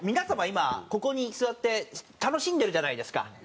今ここに座って楽しんでるじゃないですか。